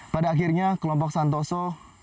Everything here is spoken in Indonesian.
pada akhirnya kelompok santoso